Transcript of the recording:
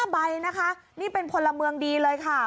ใบนะคะนี่เป็นพลเมืองดีเลยค่ะ